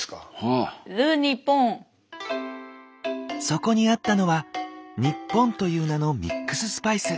そこにあったのは「ニッポン」という名のミックススパイス。